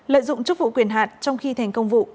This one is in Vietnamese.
lợi dụng chức vụ quyền hạn trong khi thành công vụ